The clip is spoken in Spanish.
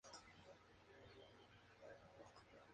Es una zona de transición entre el clima continental y el marítimo.